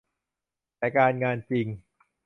แต่การงานจริง